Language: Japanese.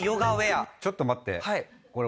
ちょっと待って。